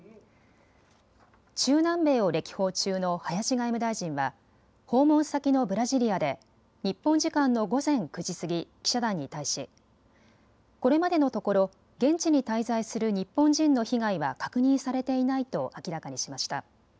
中南米を歴訪中の林外務大臣は訪問先のブラジリアで日本時間の午前９時過ぎ、記者団に対しこれまでのところ現地に滞在する日本人の被害は確認されていないと明らかにしました。